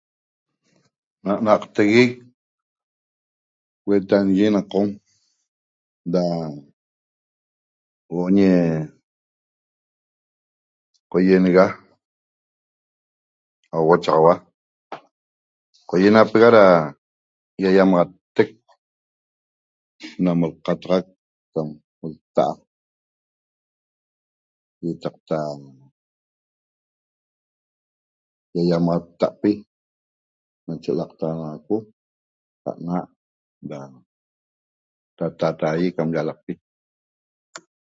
Na naqteguec uetañegue na qom da huoo ñe cohienexa auochaxahua Coienapexa da yayamaxteq na calcataxaq l'taa ietaqta iyayamaxtapi nache laqtaxanaxaco na naa' da datataie ca llalaqpi